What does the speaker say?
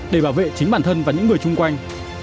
để bảo vệ chính bản thân và những người chung quanh